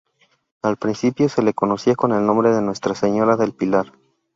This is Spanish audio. Al principio, se le conocía con el nombre de Nuestra Señora del Pilar.